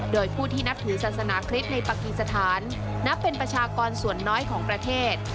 โดยผู้ที่นับถือศาสนาคริสต์ในปากีสถานนับเป็นประชากรส่วนน้อยของประเทศ